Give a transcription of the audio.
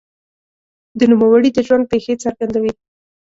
د نوموړي د ژوند پېښې څرګندوي.